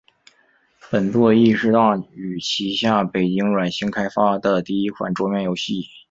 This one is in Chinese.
本作亦是大宇旗下北京软星开发的第一款桌面游戏。